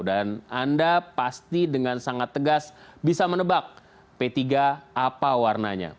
dan anda pasti dengan sangat tegas bisa menebak p tiga apa warnanya